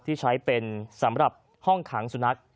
ที่ใช้เป็นสำหรับห้องขังสุนัข